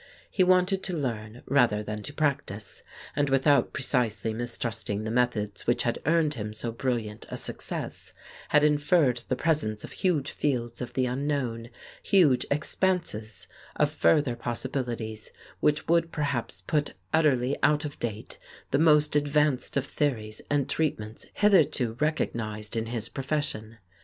He wanted to learn rather than to practise, and without pre cisely mistrusting the methods which had earned him so brilliant a success, had inferred the presence of huge fields of the unknown, huge expanses of further possibilities which would perhaps put utterly out of date the most advanced of theories and treat ments hitherto recognized in his profession.